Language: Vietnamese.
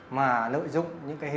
mà người dân không nắm được